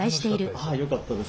あよかったです。